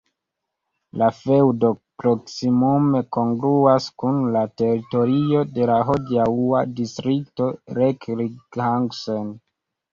La feŭdo proksimume kongruas kun la teritorio de la hodiaŭa distrikto Recklinghausen.